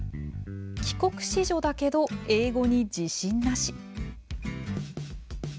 「帰国子女だけど英語に自信なし」。